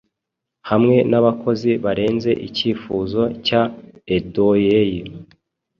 hamwe n'abakozi barenze icyifuzo cya Odyeu